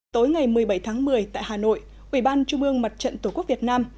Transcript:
tối ngày một mươi bảy tháng một mươi tại hà nội ủy ban trung ương mặt trận tổ quốc việt nam